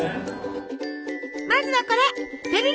まずはこれ。